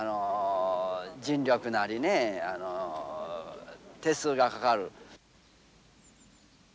人力なりね手数がかかる。